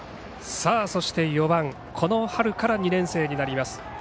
そして、４番この春から２年生になります